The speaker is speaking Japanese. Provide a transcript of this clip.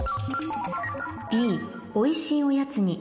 「Ｂおいしいおやつに」